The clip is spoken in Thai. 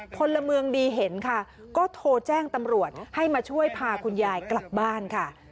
พลเมืองดีเห็นค่ะก็โทรแจ้งตำรวจให้มาช่วยพาคุณยายกลับบ้านค่ะ